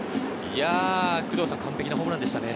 工藤さん、完璧なホームランでしたね。